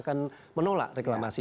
yang menolak reklamasi